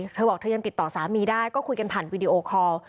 เธอบอกเธอยังติดต่อสามีได้ก็คุยกันผ่านวีดีโอคอล